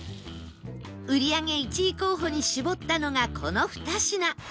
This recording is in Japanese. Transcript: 売り上げ１位候補に絞ったのがこの２品